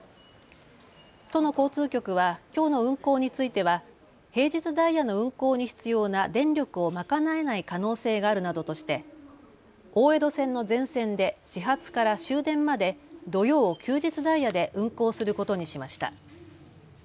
都の交通局はきょうの運行については平日ダイヤの運行に必要な電力を賄えない可能性があるなどとして、大江戸線の全線で始発から終電まで土曜・休日ダイヤで運行することにしました。